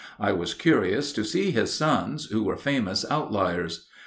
I was curious to see his sons, who were famous outliers.